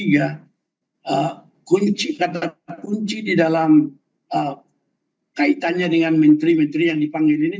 kunci kata kunci di dalam kaitannya dengan menteri menteri yang dipanggil ini